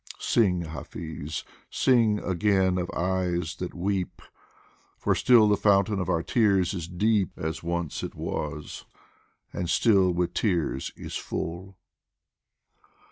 Sing, Hafiz, sing again of eyes that weep ! For still the fountain of our tears is deep As once it was, and still with tears is full.